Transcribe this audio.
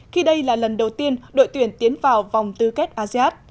khi đây là lần đầu tiên đội tuyển tiến vào vòng tư kết asean